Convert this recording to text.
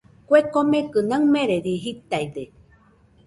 Kue komekɨ naɨmerede jitaide.